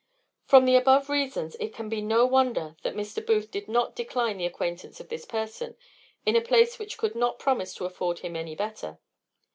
From the above reasons, it can be no wonder that Mr. Booth did not decline the acquaintance of this person, in a place which could not promise to afford him any better.